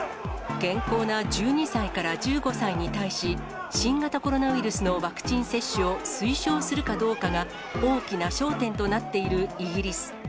健康な１２歳から１５歳に対し、新型コロナウイルスのワクチン接種を推奨するかどうかが、大きな焦点となっているイギリス。